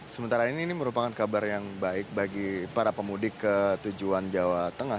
sementara ini ini merupakan kabar yang baik bagi para pemudik ke tujuan jawa tengah